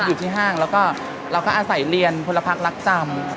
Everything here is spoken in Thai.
อยู่ที่ห้างแล้วก็เราก็อาศัยเรียนพลพักรักจำ